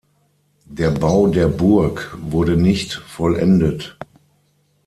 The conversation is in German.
Der Bau der Burg wurde nicht vollendet.